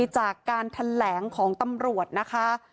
จากการแถลงของตำรวจนะคะ